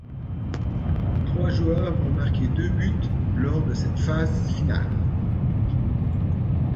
Trois joueurs ont marqué deux buts lors de cette phase finale.